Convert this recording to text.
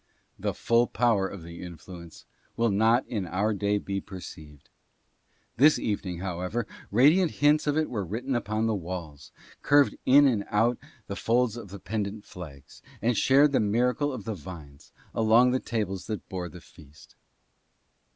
The full power of the influence will not in our day be perceived. This evening, however, radiant hints of it were written upon the walls, curved in and out the folds of the pendant flags, and shared the miracle of the vines along the tables that bore the feast.